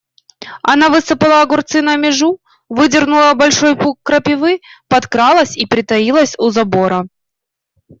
Она высыпала огурцы на межу, выдернула большой пук крапивы, подкралась и притаилась у забора.